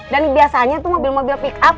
dan biasanya tuh mobil mobil pick up